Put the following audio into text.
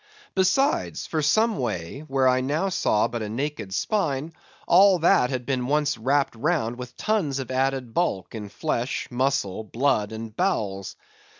Besides, for some way, where I now saw but a naked spine, all that had been once wrapped round with tons of added bulk in flesh, muscle, blood, and bowels.